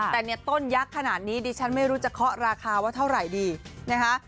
แต่เนี่ยต้นยักษ์ขนาดนี้ดิฉันไม่รู้จะเคาะราคาว่าเท่าไหร่ดีนะคะ